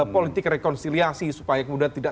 politik rekonsiliasi supaya kemudian tidak